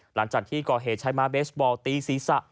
หลังจากที่ก่อเหตุใช้ม้าเบสบอลตีศีรษะ